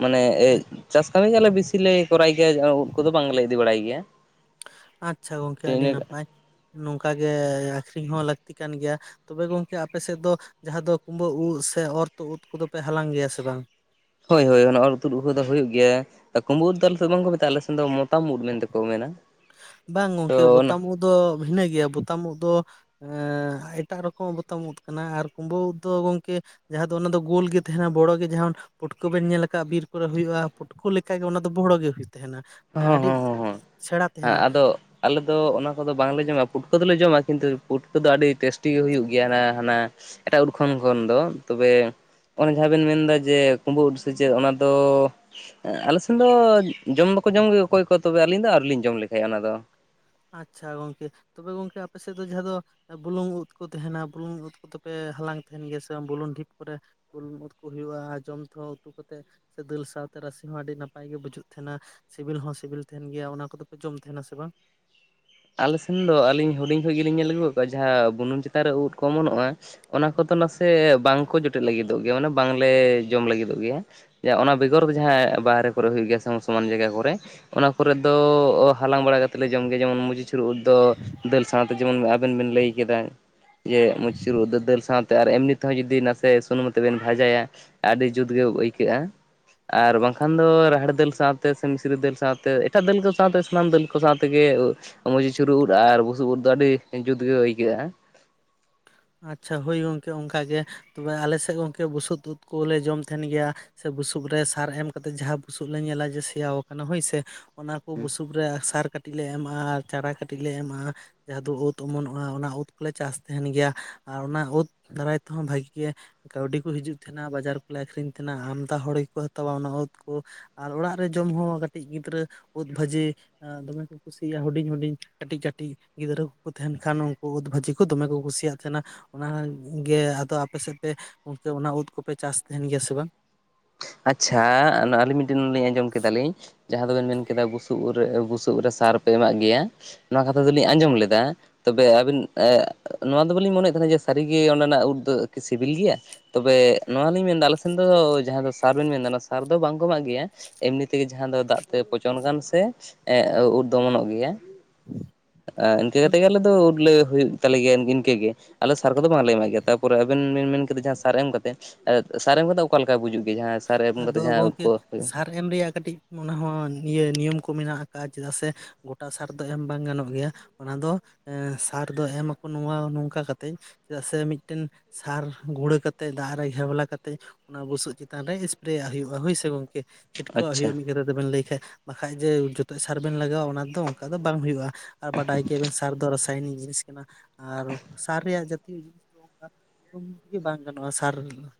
ᱢᱟᱱᱮ ᱮᱭ ᱪᱟᱥ ᱠᱟᱹᱢᱤ ᱜᱮ ᱟᱞᱮ ᱵᱤᱥᱤ ᱞᱮ ᱠᱚᱨᱟᱭ ᱜᱮᱭᱟ ᱩᱫ ᱠᱚᱫᱚ ᱵᱟᱝᱞᱮ ᱤᱫᱤ ᱵᱟᱲᱟᱭ ᱜᱮᱭᱟ᱾ ᱟᱪᱪᱷᱟ ᱜᱚᱝᱠᱮ ᱟᱹᱰᱤ ᱤᱱᱟᱹ ᱱᱟᱯᱟᱭ ᱱᱚᱝᱠᱟᱜᱮ ᱟᱠᱷᱨᱤᱧ ᱦᱚᱸ ᱞᱟᱹᱠᱛᱤ ᱠᱟᱱ ᱜᱮᱭᱟ᱾ ᱛᱚᱵᱮ ᱜᱚᱝᱠᱮ ᱟᱯᱮ ᱥᱮᱫ ᱫᱚ ᱡᱟᱦᱟᱸ ᱫᱚ ᱠᱩᱢᱵᱟᱹ ᱩᱫ ᱥᱮ ᱚᱨᱛᱷᱚ ᱩᱫ ᱠᱚᱫᱚᱯᱮ ᱦᱟᱞᱟᱝ ᱜᱮᱭᱟ ᱥᱮ ᱵᱟᱝ? ᱦᱳᱭ ᱦᱳᱭ ᱩᱛᱩᱫ ᱩᱫ ᱫᱚ ᱦᱩᱭᱩᱜ ᱜᱮᱭᱟ᱾ ᱠᱩᱢᱵᱩ ᱫᱚ ᱟᱞᱮ ᱥᱮᱫ ᱵᱟᱝᱠᱚ ᱢᱮᱛᱟᱜᱼᱟ ᱟᱞᱮᱥᱮᱫ ᱫᱚ ᱢᱚᱛᱟᱢ ᱩᱫ ᱢᱮᱱᱛᱮᱠᱚ ᱢᱮᱱᱟ᱾ ᱵᱟᱝ ᱛᱚ ᱜᱚᱝᱠᱮ ᱚᱱᱟ ᱵᱳᱚᱛᱟᱢᱚ ᱩᱫ ᱫᱚ ᱵᱷᱤᱱᱟᱹ ᱜᱮᱭᱟ ᱵᱳᱚᱛᱟᱢᱟᱢ ᱩᱫ ᱫᱚ, ᱮᱴᱟᱜ ᱨᱚᱠᱚᱢ ᱵᱚᱛᱟᱢ ᱩᱫ ᱠᱟᱱᱟ ᱟᱨ ᱠᱩᱢᱵᱟᱹ ᱩᱫ ᱫᱚ ᱜᱚᱝᱠᱮ ᱡᱟᱦᱟᱸ ᱫᱚ ᱚᱱᱟ ᱫᱚ ᱜᱳᱞ ᱜᱮ ᱛᱟᱦᱮᱱᱟ ᱵᱚᱲᱚᱜ ᱜᱮ ᱡᱟᱦᱟᱸ ᱯᱩᱴᱠᱟᱹ ᱵᱮᱱ ᱧᱮᱞ ᱟᱠᱟᱫᱼᱟ ᱵᱤᱨ ᱠᱚᱨᱮ ᱦᱩᱭᱩᱜᱼᱟ᱾ ᱯᱩᱴᱠᱟᱹ ᱞᱮᱠᱟᱜᱮ ᱚᱱᱟ ᱫᱚ ᱵᱚᱲᱚ ᱜᱮ ᱦᱩᱭ ᱛᱟᱦᱮᱱᱟ᱾ ᱢᱟᱱᱮ ᱦᱚᱸ ᱟᱹᱰᱤ ᱦᱚᱸ ᱦᱚᱸ ᱦᱚᱸ ᱥᱮᱬᱟ ᱦᱮᱸ ᱛᱟᱦᱮᱱᱟ ᱟᱫᱚ ᱟᱞᱮ ᱫᱚ ᱚᱱᱟ ᱠᱚᱫᱚ ᱵᱟᱝᱞᱮ ᱡᱚᱢᱟ ᱯᱩᱴᱠᱟᱹ ᱫᱚᱞᱮ ᱡᱚᱢᱟ ᱠᱤᱱᱛᱩ ᱯᱩᱴᱠᱟᱹ ᱫᱚ ᱟᱹᱰᱤ ᱴᱮᱥᱴᱤ ᱜᱮ ᱦᱩᱭᱩᱜ ᱜᱮᱭᱟ ᱦᱟᱱᱮ ᱦᱟᱱᱟ᱾ ᱮᱴᱟᱜ ᱩᱫ ᱠᱷᱚᱱ ᱫᱚ ᱛᱚᱵᱮ, ᱚᱱᱮ ᱡᱟᱦᱟᱸ ᱵᱮᱱ ᱢᱮᱱᱫᱟ ᱡᱮ ᱠᱩᱢᱵᱟᱹ ᱩᱫ ᱥᱮ ᱪᱮᱫ ᱚᱱᱟ ᱫᱚ ᱟᱞᱮ ᱥᱮᱱ ᱫᱚ ᱡᱚᱢ ᱫᱚᱠᱚ ᱡᱚᱢ ᱜᱮ ᱚᱠᱚᱭ ᱠᱚ, ᱛᱚᱵᱮ ᱟᱹᱞᱤᱧ ᱫᱚ ᱟᱣᱨᱤ ᱞᱤᱧ ᱡᱚᱢ ᱞᱮᱜᱟᱭᱟ ᱚᱱᱟ ᱫᱚ᱾ ᱟᱪᱪᱷᱟ ᱜᱚᱝᱠᱮ, ᱛᱚᱵᱮ ᱜᱚᱝᱠᱮ ᱟᱯᱮ ᱥᱮᱫ ᱫᱚ ᱡᱟᱦᱟᱸ ᱫᱚ ᱦᱮᱸ ᱵᱩᱞᱩᱝ ᱩᱫ ᱠᱚ ᱛᱟᱦᱮᱱᱟ ᱵᱩᱞᱩᱝ ᱩᱫ ᱠᱚᱫᱚᱯᱮ ᱦᱟᱞᱟᱝ ᱛᱟᱦᱮᱱ ᱜᱮᱭᱟ ᱥᱮ ᱵᱩᱞᱩᱝ ᱰᱷᱤᱯ ᱠᱚᱨᱮ [unintelligible] ᱠᱚ ᱦᱩᱭᱩᱜᱼᱟ ᱡᱚᱢ ᱛᱮᱦᱚᱸ ᱩᱛᱩ ᱠᱟᱛᱮᱫ ᱥᱮ ᱫᱟᱹᱞ ᱥᱟᱶᱛᱮ ᱨᱟᱥᱮ ᱦᱚᱸ ᱟᱹᱰᱤ ᱱᱟᱯᱟᱭ ᱜᱮ ᱵᱩᱡᱩᱜ ᱛᱟᱦᱮᱱᱟ᱾ ᱥᱤᱵᱤᱞ ᱦᱚᱸ ᱥᱤᱵᱤᱞ ᱛᱟᱦᱮᱱ ᱜᱮᱭᱟ᱾ ᱚᱱᱟ ᱠᱚᱫᱚᱯᱮ ᱡᱚᱢ ᱛᱟᱦᱮᱱᱟ ᱥᱮ ᱵᱟᱝ? ᱟᱞᱮ ᱥᱮᱱ ᱫᱚ ᱟᱹᱞᱤᱧ ᱦᱩᱰᱤᱧ ᱠᱷᱚᱱ ᱜᱮᱞᱤᱧ ᱧᱮᱞ ᱟᱹᱜᱩ ᱠᱟᱜᱼᱟ ᱡᱟᱦᱟᱸ ᱵᱩᱱᱩᱢ ᱪᱮᱛᱟᱱ ᱨᱮ ᱩᱫ ᱠᱚ ᱚᱢᱚᱱᱚᱜᱼᱟ ᱚᱱᱟ ᱠᱚᱫᱚ ᱱᱟᱥᱮ ᱵᱟᱝᱠᱚ ᱡᱚᱴᱮᱫ ᱞᱟᱹᱜᱤᱫᱚᱜ ᱜᱮᱭᱟ, ᱢᱟᱱᱮ ᱵᱟᱝᱞᱮ ᱡᱚᱢ ᱞᱟᱹᱜᱤᱫᱚᱜ ᱜᱮᱭᱟ᱾ ᱡᱟ ᱚᱱᱟ ᱵᱮᱜᱚᱨ ᱫᱚ ᱡᱟᱦᱟᱸ ᱵᱟᱦᱨᱮ ᱠᱚᱨᱮ ᱦᱩᱭᱩᱜ ᱜᱮᱭᱟ ᱥᱚᱢᱟᱱ ᱥᱚᱢᱟᱱ ᱡᱟᱭᱜᱟ ᱠᱚᱨᱮ ᱚᱱᱟ ᱠᱚᱨᱮᱫ ᱫᱚ ᱦᱟᱞᱟᱝ ᱵᱟᱲᱟ ᱠᱟᱛᱮ ᱞᱮ ᱡᱚᱢ ᱜᱮᱭᱟ ᱡᱮᱢᱚᱱ ᱢᱩᱡᱤᱥ ᱩᱨ ᱫᱚ ᱫᱟᱹᱞ ᱥᱟᱶᱛᱮ ᱡᱮᱢᱚᱱ ᱟᱵᱮᱱ ᱵᱮᱱ ᱞᱟᱹᱭ ᱠᱮᱫᱟ ᱡᱮ ᱢᱚᱡᱥᱮᱨᱩ ᱫᱟᱹᱞ ᱥᱟᱶᱛᱮ ᱟᱨ ᱮᱢᱱᱤᱼᱼ [unintelligible] ᱦᱚᱸ ᱡᱩᱫᱤ ᱱᱟᱥᱮ ᱥᱩᱱᱩᱢ ᱛᱮᱵᱮᱱ ᱵᱷᱟᱡᱟᱭᱟ ᱟᱹᱰᱤ ᱡᱩᱛ ᱜᱮ ᱟᱹᱭᱠᱟᱹᱜᱼᱟ᱾ ᱟᱨ ᱵᱟᱝᱠᱷᱟᱱ ᱫᱚ ᱨᱟᱦᱮᱲ ᱫᱟᱹᱞ ᱥᱟᱶᱛᱮ ᱥᱮ ᱢᱤᱥᱨᱤ ᱫᱟᱹᱞ ᱥᱟᱶᱛᱮ ᱮᱴᱟᱜ ᱫᱟᱹᱞ ᱠᱚ ᱥᱟᱶᱛᱮ ᱥᱟᱱᱟᱢ ᱫᱟᱹᱞ ᱠᱚ ᱥᱟᱶᱛᱮᱜᱮ ᱢᱚᱪᱤ ᱪᱷᱩᱨᱟᱹ ᱩᱫ ᱟᱨ ᱵᱩᱥᱩᱵ ᱩᱫ ᱫᱚ ᱟᱹᱰᱤ ᱡᱩᱛᱜᱮ ᱟᱹᱭᱠᱟᱹᱜᱼᱟ᱾ ᱟᱪᱪᱷᱟ ᱦᱳᱭ ᱜᱚᱝᱠᱮ ᱚᱱᱠᱟ ᱜᱮ ᱛᱚᱵᱮ ᱟᱞᱮ ᱥᱮᱫ ᱜᱚᱝᱠᱮ ᱵᱩᱥᱩᱛ ᱩᱫ ᱠᱚᱞᱮ ᱡᱚᱢ ᱛᱟᱦᱮᱱ ᱜᱮᱭᱟ᱾ ᱥᱮ ᱵᱩᱥᱩᱯ ᱨᱮ ᱥᱟᱨ ᱮᱢ ᱠᱟᱛᱮ ᱡᱟᱦᱟᱸ ᱵᱩᱥᱩᱵ ᱞᱮ ᱧᱮᱞᱟ ᱡᱮ ᱥᱮᱭᱟᱣ ᱠᱟᱱᱟ ᱦᱳᱭ ᱥᱮ ᱚᱱᱟ ᱠᱚ ᱵᱩᱥᱩᱵ ᱨᱮ ᱥᱟᱨ ᱠᱟ ᱠᱟᱹᱴᱤᱡ ᱞᱮ ᱮᱢᱟᱜᱼᱟ ᱟᱨ ᱪᱟᱨᱟ ᱠᱟᱹᱴᱤᱡ ᱞᱮ ᱮᱢᱟᱜᱼᱟ ᱡᱟᱦᱟᱸ ᱫᱚ ᱩᱫ ᱚᱢᱚᱱᱚᱜᱼᱟ, ᱚᱱᱟ ᱩᱫ ᱠᱚᱞᱮ ᱪᱟᱥ ᱛᱟᱦᱮᱱ ᱜᱮᱭᱟ᱾ ᱟᱨ ᱚᱱᱟ ᱩᱫ ᱫᱟᱨᱟᱭ ᱛᱮᱦᱚᱸ ᱵᱷᱟᱜᱤ ᱜᱮ, ᱠᱟᱹᱣᱰᱤ ᱠᱚ ᱦᱤᱡᱩᱜ ᱛᱟᱦᱮᱱᱟ, ᱵᱟᱡᱟᱨ ᱠᱚᱞᱮ ᱟᱠᱷᱨᱤᱧ ᱛᱟᱦᱮᱱᱟ, ᱟᱢᱫᱟ ᱦᱚᱲ ᱜᱮᱠᱚ ᱦᱟᱛᱟᱣᱟ ᱚᱱᱟ ᱩᱫ ᱠᱩ᱾ ᱟᱨ ᱚᱲᱟᱜ ᱨᱮ ᱡᱚᱢ ᱦᱚᱸ ᱠᱟᱹᱴᱤᱡ ᱜᱤᱫᱽᱨᱟᱹ ᱩᱫ ᱵᱷᱟᱹᱡᱤ ᱫᱚᱢᱮ ᱠᱚ ᱠᱩᱭᱤᱭᱟ ᱦᱩᱰᱤᱧ-ᱦᱩᱰᱤᱧ ᱠᱟᱹᱴᱤᱡ-ᱠᱟᱹᱴᱤᱡ ᱜᱤᱫᱽᱨᱟᱹ ᱠᱚ ᱛᱟᱦᱮᱱ ᱠᱷᱟᱱ ᱩᱱᱠᱩ ᱩᱫᱽ ᱵᱷᱟᱹᱡᱤ ᱠᱚ ᱫᱚᱢᱮ ᱠᱚ ᱠᱩᱥᱤᱭᱟᱜ ᱥᱮᱱᱟ ᱚᱱᱟ ᱜᱮ ᱟᱫᱚ ᱟᱯᱮ ᱥᱮᱫ ᱯᱮ ᱚᱱᱛᱮ ᱚᱱᱟ ᱩᱫ ᱠᱚᱯᱮ ᱪᱟᱥ ᱛᱟᱦᱮᱱ ᱜᱮᱭᱟ ᱥᱮ ᱵᱟᱝ ᱟᱪᱪᱷᱟ ᱱᱚ ᱟᱹᱞᱤᱧ ᱢᱤᱫᱴᱮᱱ ᱞᱤᱧ ᱟᱸᱡᱚᱢ ᱠᱮᱫᱟᱞᱤᱧ ᱡᱟᱦᱟᱸ ᱫᱚᱵᱮᱱ ᱢᱮᱱ ᱠᱮᱫᱟ ᱵᱩᱥᱩᱵ ᱨᱮ ᱵᱩᱥᱩᱵ ᱨᱮ ᱥᱟᱨᱯᱮ ᱮᱢᱟᱜ ᱜᱮᱭᱟ ᱱᱚᱣᱟ ᱠᱟᱛᱷᱟ ᱫᱚᱞᱤᱧ ᱟᱸᱡᱚᱢ ᱞᱮᱫᱟ ᱛᱚᱵᱮ ᱟᱹᱵᱤᱱ ᱱᱚᱣᱟ ᱫᱚ ᱵᱟᱹᱞᱤᱧ ᱢᱚᱱᱮᱭᱮᱫ ᱛᱟᱦᱮᱱᱟ ᱡᱮ ᱥᱟᱹᱨᱤᱜᱮ ᱚᱱᱟᱱᱟᱜ ᱩᱫ ᱫᱚ ᱠᱤ ᱥᱤᱵᱤᱞ ᱜᱮᱭᱟ ᱛᱚᱵᱮ ᱱᱚᱣᱟ ᱞᱤᱧ ᱢᱮᱱᱫᱟ ᱟᱞᱮ ᱥᱮᱱ ᱫᱚ ᱡᱟᱦᱟᱸ ᱫᱚ ᱥᱟᱨ ᱵᱮᱱ ᱢᱮᱱᱫᱟ ᱚᱱᱟ ᱥᱟᱨ ᱫᱚ ᱵᱟᱝ ᱠᱚ ᱮᱢᱟᱜ ᱜᱮᱭᱟ ᱮᱢᱱᱤ ᱛᱮᱜᱮ ᱡᱟᱦᱟᱸ ᱫᱚ ᱫᱟᱜ ᱛᱮ ᱯᱚᱪᱚᱱ ᱟᱠᱟᱱ ᱥᱮ ᱩᱫ ᱫᱚ ᱚᱢᱚᱱᱚᱜ ᱜᱮᱭᱟ ᱤᱱᱠᱟᱹ ᱠᱟᱛᱮ ᱜᱮ ᱟᱞᱮ ᱫᱚ ᱩᱫ ᱞᱮ ᱦᱩᱭᱩᱜ ᱛᱟᱞᱮ ᱜᱮᱭᱟ ᱤᱱᱠᱟᱹ ᱜᱮ ᱟᱞᱮ ᱥᱟᱨ ᱠᱚᱫᱚ ᱵᱟᱝᱞᱮ ᱮᱢᱟᱜ ᱜᱮᱭᱟ ᱛᱟᱯᱚᱨᱮ ᱟᱵᱮᱱ ᱵᱮᱱ ᱢᱮᱱ ᱠᱮᱫᱟ ᱡᱟᱦᱟᱸ ᱥᱟᱨ ᱮᱢ ᱠᱟᱛᱮ ᱥᱟᱨ ᱮᱢ ᱠᱟᱛᱮ ᱚᱠᱟ ᱞᱮᱠᱟ ᱵᱩᱡᱩᱜ ᱜᱮᱭᱟ ᱡᱟᱦᱟᱸ ᱥᱟᱨᱮ ᱮᱢ ᱟᱫᱚ ᱠᱟᱛᱮ ᱡᱟᱦᱟᱸ ᱩᱫ ᱜᱚᱝᱠᱮ ᱠᱚ ᱦᱩᱭᱩᱜ-ᱟ ᱥᱟᱨ ᱮᱢ ᱨᱮᱭᱟᱜ ᱠᱟᱹᱴᱤᱡ ᱚᱱᱟ ᱦᱚᱸ ᱱᱤᱭᱟᱹ ᱱᱤᱭᱚᱢ ᱠᱚ ᱢᱮᱱᱟᱜ ᱟᱠᱟᱜ-ᱟ ᱪᱮᱫᱟᱜ ᱥᱮ ᱜᱚᱴᱟ ᱥᱟᱨ ᱫᱚ ᱮᱢ ᱵᱟᱝ ᱜᱟᱱᱚᱜ ᱜᱮᱭᱟ ᱟᱫᱚ ᱮᱻ ᱥᱟᱨ ᱫᱚ ᱮᱢ ᱟᱠᱚ ᱱᱚᱣᱟ ᱱᱚᱝᱠᱟ ᱠᱟᱛᱮ ᱪᱮᱫᱟᱜ ᱥᱮ ᱢᱤᱫᱴᱮᱱ ᱥᱟᱨ ᱜᱩᱲᱟᱹ ᱠᱟᱛᱮ ᱫᱟᱜ ᱨᱮ ᱜᱮᱣᱞᱟ ᱠᱟᱛᱮᱜ ᱚᱱᱟ ᱵᱩᱥᱩᱵ ᱪᱮ ᱪᱮᱛᱟᱱ ᱨᱮ ᱮᱥᱯᱨᱮᱭᱟᱜ ᱦᱩᱭᱩᱜᱼᱟ ᱦᱳᱭ ᱥᱮ ᱜᱚᱝᱠᱮ ᱪᱷᱤᱴᱠᱟᱹᱣᱟᱜ ᱟᱪᱪᱷᱟ ᱦᱩᱭᱩᱜᱼᱟ ᱢᱤᱫ ᱜᱟᱫᱟᱼᱼ ᱟᱫᱚ ᱵᱮᱱ ᱞᱟᱹᱭ ᱠᱷᱟᱡ ᱵᱟᱠᱷᱟᱡ ᱡᱮ ᱡᱚᱛᱚ ᱥᱟᱨ ᱵᱮᱱ ᱞᱟᱜᱟᱣ ᱚᱱᱟ ᱫᱚ ᱚᱱᱠᱟ ᱫᱚ ᱵᱟᱝ ᱦᱩᱭᱩᱜᱼᱟ ᱟᱨ ᱵᱟᱰᱟᱭ ᱜᱮᱭᱟᱵᱮᱱ ᱥᱟᱨ ᱫᱚ ᱠᱟᱭᱱᱤ ᱡᱤᱱᱤᱥ ᱠᱟᱱᱟ ᱟᱨ ᱥᱟᱨ ᱨᱮᱭᱟᱜ ᱡᱟᱛᱤ [inaudible] ᱜᱮ ᱵᱟᱝ ᱜᱟᱱᱚᱜᱼᱟ ᱥᱟᱨ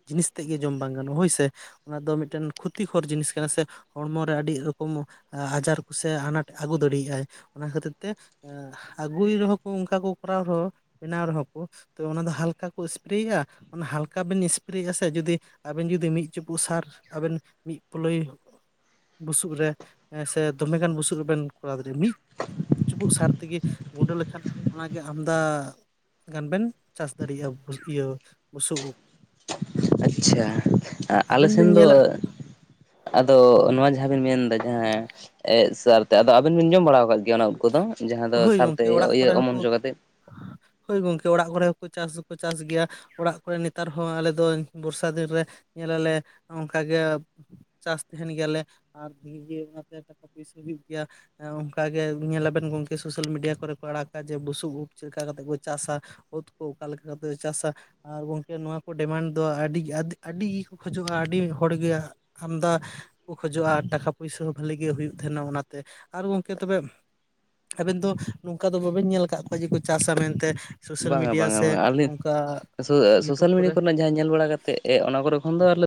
ᱡᱤᱱᱤᱥ ᱛᱮᱫ ᱜᱮ ᱡᱚᱢ ᱵᱟᱝ ᱜᱟᱱᱚᱜᱼᱟ ᱦᱳᱭ ᱥᱮ᱾ ᱛᱮ ᱚᱱᱟ ᱫᱚ ᱢᱤᱫᱴᱮᱱ ᱠᱷᱚᱛᱤᱠᱚᱨ ᱡᱤᱱᱤᱥ ᱠᱟᱱᱟ ᱥᱮ ᱦᱚᱲᱢᱚᱮ ᱟᱹᱰᱤ ᱨᱚᱠᱚᱢ ᱟᱡᱟᱨ ᱠᱚᱥᱮ ᱟᱱᱟᱴ ᱟᱹᱜᱩ ᱫᱟᱲᱮᱭᱟᱜᱼᱟᱭ ᱚᱱᱟ ᱠᱷᱟᱹᱛᱤᱨ ᱛᱮ ᱟᱹᱜᱩᱭ ᱨᱮᱦᱚᱸ ᱠᱚ ᱚᱱᱠᱟ ᱠᱚ ᱠᱚᱨᱟᱣ ᱨᱮᱦᱚᱸ ᱵᱮᱱᱟᱣ ᱨᱮᱦᱚᱸ ᱠᱚ ᱛᱚ ᱚᱱᱟ ᱫᱚ ᱦᱟᱞᱠᱟ ᱠᱚ ᱮᱥᱯᱨᱮᱭᱜᱼᱟ ᱚᱱᱟ ᱦᱟᱞᱠᱟ ᱵᱤᱱ ᱮᱥᱯᱨᱮᱭᱟᱜᱼᱟ ᱥᱮ ᱡᱩᱫᱤ ᱟᱵᱤᱱ ᱡᱩᱫᱤ ᱢᱤᱫ ᱪᱩᱯᱩᱜ ᱥᱟᱨ ᱟᱵᱮᱱ ᱢᱤᱫ ᱯᱳᱞᱳᱭ ᱵᱩᱥᱩᱵ ᱨᱮ ᱥᱮ ᱫᱚᱢᱮᱜᱟᱱ ᱵᱩᱥᱩᱵ ᱨᱮᱵᱮᱱ ᱠᱚᱨᱟᱣ ᱫᱟᱲᱮᱭᱟᱜᱼᱟ ᱢᱤᱫᱼᱼ ᱪᱩᱯᱩᱫ ᱥᱟᱨ ᱛᱮᱜᱮ ᱜᱩᱸᱰᱟᱹ ᱞᱮᱠᱷᱟᱱ ᱚᱱᱟᱜᱮ ᱟᱢᱫᱟ ᱜᱟᱱ ᱵᱮᱱ ᱪᱟᱥ ᱫᱟᱲᱮᱭᱟᱜᱼᱟ ᱤᱭᱟᱹ ᱵᱩᱥᱩᱵ ᱩᱫ ᱟᱪᱪᱷᱟ᱾ ᱟᱞᱮ ᱟᱵᱮᱱ ᱵᱮᱱ ᱥᱮᱱ ᱫᱚ ᱧᱮᱞᱟ ᱟᱫᱚ ᱱᱚᱣᱟ ᱡᱟᱦᱟᱸᱵᱤᱱ ᱢᱮᱱᱫᱟ ᱡᱟᱦᱟᱸ ᱮᱜ ᱥᱟᱨ ᱛᱮ ᱟᱫᱚ ᱟᱹᱵᱤᱱ ᱵᱤᱱ ᱡᱚᱢ ᱵᱟᱲᱟ ᱟᱠᱟᱫ ᱜᱮᱭᱟ ᱚᱱᱟ ᱩᱫ ᱠᱚᱫᱚ ᱡᱟᱦᱟᱸ ᱫᱚ ᱦᱳᱭ ᱥᱟᱨᱛᱮ ᱜᱚᱝᱠᱮ ᱚᱲᱟᱜ ᱤᱭᱟᱹ ᱠᱚᱨᱮ ᱚᱢᱚᱱ ᱦᱚᱸᱠᱚ ᱦᱚᱪᱚ ᱠᱟᱛᱮ?. ᱦᱳᱭ ᱜᱚᱝᱠᱮ ᱚᱲᱟᱜ ᱠᱚᱨᱮ ᱦᱚᱸᱠᱚ ᱪᱟᱥ ᱫᱚᱠᱚ ᱪᱟᱥ ᱜᱮᱭᱟ᱾ ᱚᱲᱟᱜ ᱠᱚᱨᱮ ᱱᱮᱛᱟᱨ ᱦᱚᱸ ᱟᱞᱮ ᱫᱚ ᱵᱚᱨᱥᱟ ᱫᱤᱱ ᱨᱮ ᱧᱮᱞ ᱟᱞᱮ ᱚᱱᱠᱟᱜᱮ ᱪᱟᱥ ᱛᱟᱦᱮᱱ ᱜᱮᱭᱟᱞᱮ ᱟᱨ ᱤᱡᱟᱹ ᱟᱛᱮ ᱯᱩᱭᱥᱟᱹ ᱦᱩᱭᱩᱜ ᱜᱮᱭᱟ ᱚᱱᱠᱟ ᱜᱮ ᱧᱮᱞᱟᱵᱮᱱ ᱜᱚᱝᱠᱮ ᱥᱳᱥᱟᱞ ᱢᱤᱰᱤᱭᱟ ᱠᱚᱨᱮ ᱠᱚ ᱟᱲᱟᱜᱟ ᱡᱮ ᱵᱩᱥᱩᱵ ᱩᱫ ᱪᱮᱫ ᱞᱮᱠᱟ ᱠᱟᱛᱮ ᱠᱚ ᱪᱟᱥᱟ᱾ ᱳᱫ ᱠᱚ ᱚᱠᱟᱞᱠᱟ ᱠᱟᱛᱮ ᱠᱚ ᱪᱟᱥᱟ ᱟᱨ ᱜᱚᱝᱠᱮ ᱱᱚᱣᱟ ᱠᱚ ᱰᱮᱢᱟᱱᱰ ᱫᱚ ᱟᱹᱰᱤ ᱟᱹᱰᱤ ᱜᱮᱠᱚ ᱠᱷᱚᱡᱚᱜᱼᱟ ᱟᱹᱰᱤ ᱦᱚᱲᱜᱮ ᱟᱢᱫᱟ ᱠᱚ ᱠᱷᱚᱡᱚᱜᱼᱟ ᱴᱟᱠᱟ ᱯᱩᱭᱥᱟᱹ ᱦᱚᱸ ᱵᱷᱷᱟᱞᱤ ᱜᱮ ᱦᱩᱭᱩᱜ ᱛᱟᱦᱮᱸᱱᱟ ᱚᱱᱟᱛᱮ ᱟᱨ ᱜᱚᱢᱠᱮ ᱛᱚᱵᱮ ᱟᱵᱮᱱ ᱫᱚ ᱱᱚᱝᱠᱟ ᱫᱚ ᱵᱟᱵᱤᱱ ᱧᱮᱞ ᱟᱠᱟᱫ ᱠᱚᱣᱟ ᱡᱮᱠᱚ ᱪᱟᱥᱟ ᱢᱮᱱᱛᱮ ᱥᱳᱥᱟᱞ ᱵᱟᱝᱟ ᱢᱤᱰᱤᱭᱟ ᱵᱟᱝᱟ ᱥᱮ ᱵᱟᱝᱟ ᱟᱹᱞᱤᱧ ᱚᱱᱠᱟ ᱭᱩᱴᱩᱵᱽ ᱥᱳᱥᱟᱞ ᱢᱤᱰᱤᱭᱟ ᱠᱚᱨᱮ ᱠᱚᱨᱮᱱᱟᱜ ᱡᱟᱦᱟᱸ ᱧᱮᱞ ᱵᱟᱲᱟ ᱠᱟᱛᱮ ᱚᱱᱟ ᱠᱚᱨᱮ ᱠᱷᱚᱱ ᱫᱚ ᱟᱞᱮ